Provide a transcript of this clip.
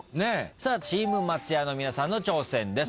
さあチーム松也の皆さんの挑戦です。